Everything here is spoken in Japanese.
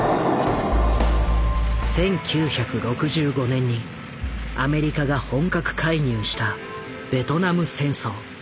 １９６５年にアメリカが本格介入したベトナム戦争。